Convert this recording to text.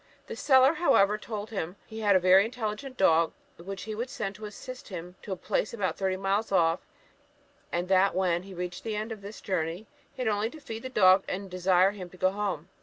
The seller, however, told him he had a very intelligent dog, which he would send to assist him to a place about thirty miles off; and that when he reached the end of his journey, he had only to feed the dog, and desire him to go home.